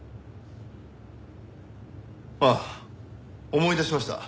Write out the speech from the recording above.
ああ思い出しました。